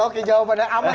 oke jawabannya aman